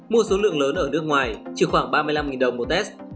mua số lượng lớn ở nước ngoài chỉ khoảng ba mươi năm đồng một test